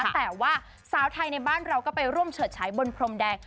แต่ว่าสาวไทยในบ้านเราก็ไปร่วมเฉิดฉายบนพรมแดง